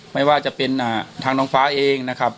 ไม่ว่าจะเป็นทางน้องฟ้าเองนะครับ